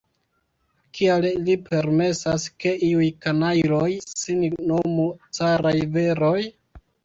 Kial ili permesas, ke iuj kanajloj sin nomu caraj viroj?